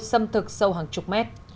xâm thực sâu hàng chục mét